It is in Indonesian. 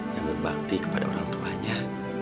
yang berbakti kepada orang tuanya